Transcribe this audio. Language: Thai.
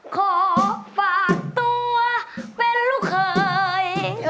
ขอฝากตัวเป็นลูกเขย